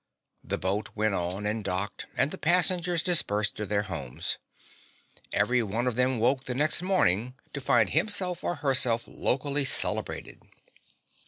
The boat went on and docked, and the passengers dispersed to their homes. Every one of them woke the next morning to find himself or herself locally celebrated.